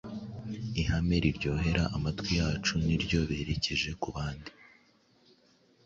Ihame riryohera amatwi yacu Niryo berekeje ku bandi.